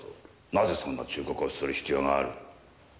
なぜそんな忠告をする必要がある？